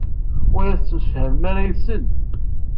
Ur ttemsefhamen ara yid-sen?